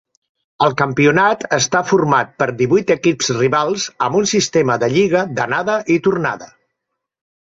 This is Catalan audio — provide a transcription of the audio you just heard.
El campionat està format per divuit equips rivals amb un sistema de lliga d'anada i tornada.